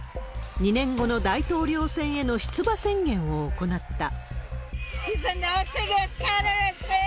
２年後の大統領選への出馬宣言を行った。